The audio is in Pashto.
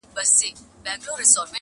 کلي چوپتيا کي ژوند کوي,